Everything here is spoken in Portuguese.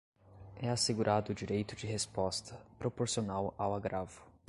é assegurado o direito de resposta, proporcional ao agravo